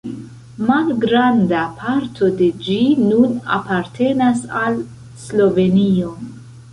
Malgranda parto de ĝi nun apartenas al Slovenio.